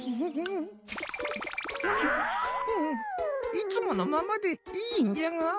いつものままでいいんじゃが。